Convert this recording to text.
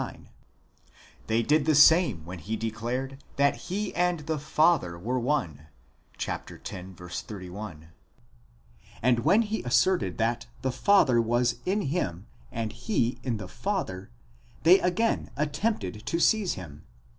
59); they did the same when he declared that he and the Father were one (x. 31), and when he asserted that.the Father was in him and he in the Father, they again attempted to seize him (x.